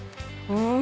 うん！